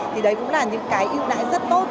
thì đấy cũng là những cái ưu đãi rất tốt